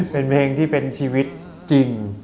เป็นเพลงที่เป็นชีวิตจริง